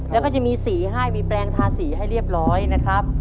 แล้วก็จะมีสีให้มีแปลงทาสีให้เรียบร้อยนะครับ